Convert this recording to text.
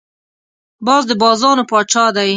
باز د بازانو پاچا دی